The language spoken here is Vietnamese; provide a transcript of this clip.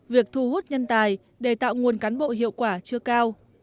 việc thu hút nhân tài để tạo nguồn cán bộ hiệu quả chưa cao